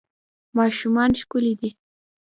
ماشومان ښکلي دي